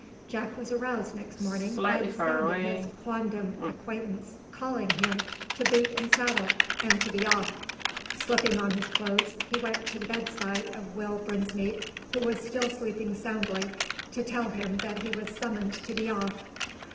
Jack was aroused next morning by the sound of his quondam acquaintance calling him to "boot and saddle," and to be off. Slipping on his clothes, he went to the bedside of Will Brinsmead, who was still sleeping soundly, to tell him that he was summoned to be off.